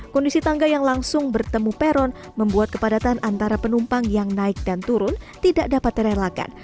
kondisi tangga yang langsung bertemu peron membuat kepadatan antara penumpang yang naik dan turun tidak dapat direlakan